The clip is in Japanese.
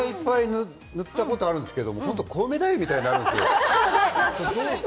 それだけいっぱい塗ったことあるんですけれども、コウメ太夫みたいになるんですよ。